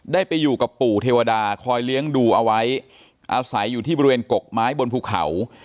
ได้ไปอยู่กับปู่เทวดาคอยเลี้ยงดูเอาไว้อาศัยอยู่ที่บริเวณกกไม้บนภูเขา